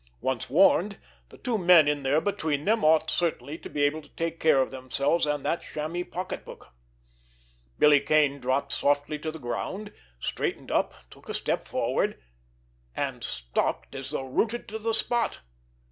Once warned, the two men in there between them ought certainly to be able to take care of themselves and that chamois pocketbook. Billy Kane dropped softly to the ground, straightened up, took a step forward—and stopped as though rooted to the spot.